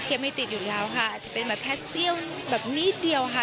เทียบไม่ติดอยู่แล้วค่ะจะเป็นแบบแค่เสี้ยวนิดเดียวค่ะ